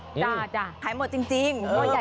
จ้าจ้าขายหมดจริงหม้อใหญ่มาก